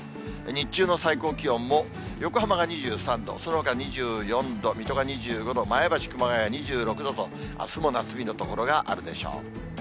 日中の最高気温も、横浜が２３度、そのほか２４度、水戸が２５度、前橋、熊谷２６度と、あすも夏日の所があるでしょう。